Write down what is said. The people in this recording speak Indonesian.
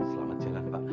selamat jalan pak